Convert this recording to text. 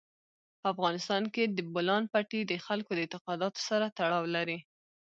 په افغانستان کې د بولان پټي د خلکو د اعتقاداتو سره تړاو لري.